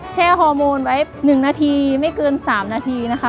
ฮอร์โมนไว้๑นาทีไม่เกิน๓นาทีนะคะ